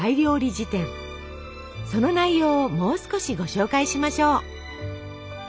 その内容をもう少しご紹介しましょう。